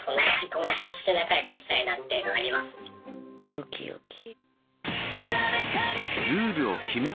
よきよき。